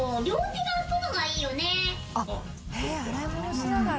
「へえ洗い物しながら」